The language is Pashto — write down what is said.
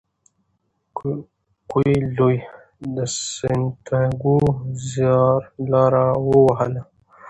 کویلیو د سانتیاګو زیارلاره ووهله.